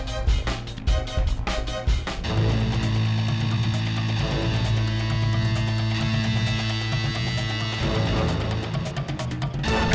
hai karl hai karl